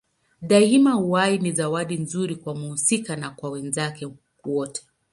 Daima uhai ni zawadi nzuri kwa mhusika na kwa wenzake wote.